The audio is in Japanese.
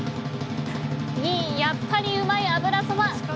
２位、やっぱり旨い油そば。